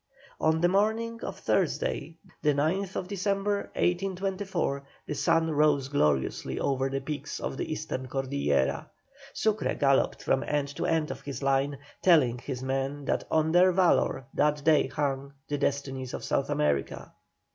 On the morning of Thursday, the 9th December, 1824, the sun rose gloriously over the peaks of the eastern Cordillera. Sucre galloped from end to end of his line, telling his men that on their valour that day hung the destinies of South America.